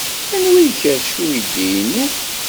Anwa ay ikerrec uydi-inu?